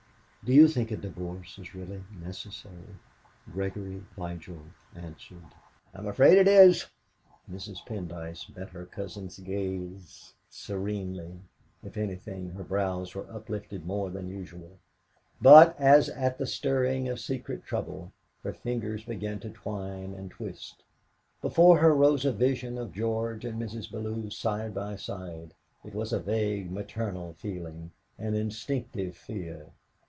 Do you think a divorce is really necessary?" Gregory Vigil answered: "I'm afraid it is." Mrs. Pendyce met her cousin's gaze serenely; if anything, her brows were uplifted more than usual; but, as at the stirring of secret trouble, her fingers began to twine and twist. Before her rose a vision of George and Mrs. Bellew side by side. It was a vague maternal feeling, an instinctive fear.